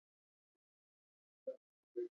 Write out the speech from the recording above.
پال کوه چې زر ښه شې